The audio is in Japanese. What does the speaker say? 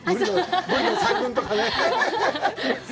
ブリの大群とかね。